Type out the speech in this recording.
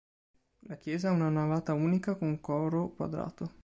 La chiesa ha una navata unica con coro quadrato.